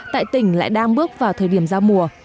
tại tỉnh lại đang bước vào thời điểm giao mùa